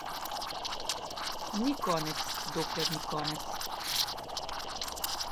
Ni konec, dokler ni konec.